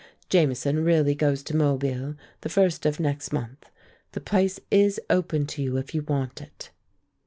Jamieson really goes to Mobile the first of next month. The place is open to you if you want it."